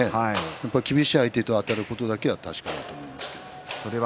厳しい相手とあたることは確かだと思います。